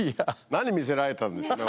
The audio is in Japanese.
何見せられたんでしょうね